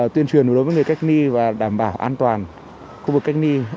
tuyên truyền đối với người cách ly và đảm bảo an toàn khu vực cách ly